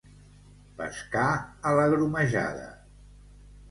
Pescar a la grumejada.